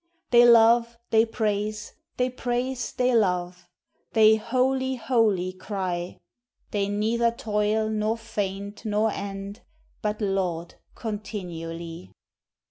They love, they praise they praise, they love; They "Holy, holy," cry; They neither toil, nor faint, nor end, But laud continually.